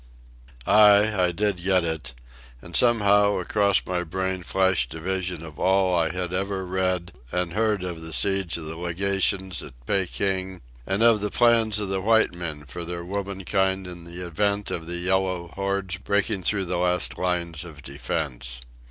Ay, I did get it; and somehow, across my brain flashed a vision of all I had ever read and heard of the siege of the Legations at Peking, and of the plans of the white men for their womenkind in the event of the yellow hordes breaking through the last lines of defence.